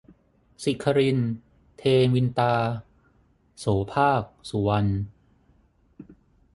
ศิขริน-เทวินตา - โสภาค สุวรรณ